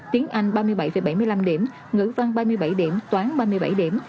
tiếng anh ba mươi bảy bảy mươi năm điểm ngữ văn ba mươi bảy điểm toán ba mươi bảy điểm